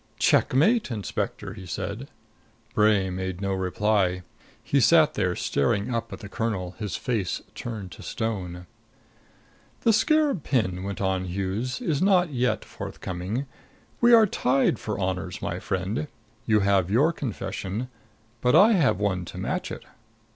"Checkmate, Inspector!" he said. Bray made no reply. He sat there staring up at the colonel, his face turned to stone. "The scarab pin," went on Hughes, "is not yet forthcoming. We are tied for honors, my friend. You have your confession, but I have one to match it."